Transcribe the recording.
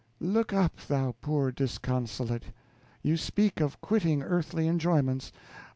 Look up, thou poor disconsolate; you speak of quitting earthly enjoyments.